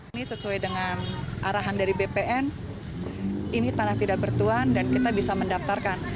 ini sesuai dengan arahan dari bpn ini tanah tidak bertuan dan kita bisa mendaftarkan